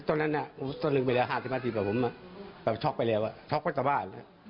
ตอนนั้นตอนนึงไปแล้ว๕๕ทีแบบผมช็อกไปแล้วช็อกไปจากบ้าน